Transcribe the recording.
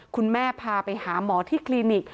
คุณแม่พาไปหาหมอที่คลินิก